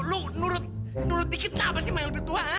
lu lu lu nurut dikit kenapa sih mau lebih tua